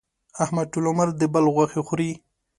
احمد ټول عمر د بل غوښې خوري.